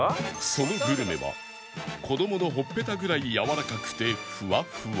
そのグルメは子どものほっぺたぐらいやわらかくてフワフワ